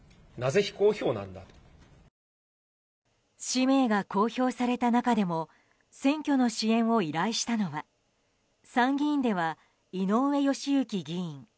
氏名が公表された中でも選挙の支援を依頼したのは参議院では井上義行議員。